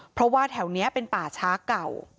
เพราะว่าแถวนี้เป็นป่าช้าเก่า